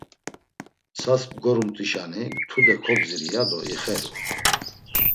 Mtsas bgorumt̆işani, tude kobziri, yado ixelu.